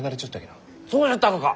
そうじゃったがか！？